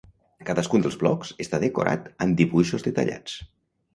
Cadascun dels blocs està decorat amb dibuixos detallats.